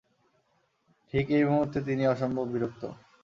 ঠিক এই মুহূর্তে তিনি অসম্ভব বিরক্ত।